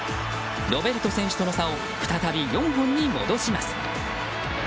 ロベルト選手との差を再び４本に戻します。